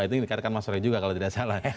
ini dikatakan mas roy juga kalau tidak salah